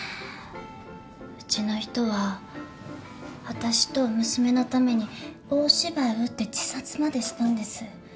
うちの人は私と娘のために大芝居を打って自殺までしたんです。